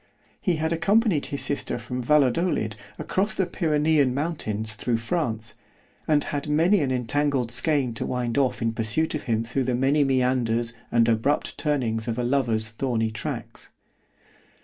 He had accompanied his sister from Valadolid across the Pyrenean mountains through France, and had many an entangled skein to wind off in pursuit of him through the many meanders and abrupt turnings of a lover's thorny tracks.